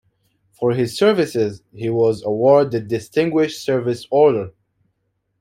For his services, he was awarded the Distinguished Service Order.